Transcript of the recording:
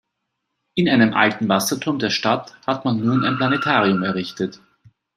In einem alten Wasserturm der Stadt hat man nun ein Planetarium errichtet.